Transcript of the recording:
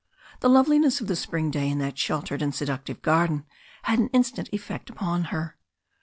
The loveliness of the Spring day in that sheltered and seductive garden had an instant effect upon her.